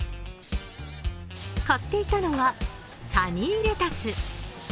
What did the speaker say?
買っていたのはサニーレタス。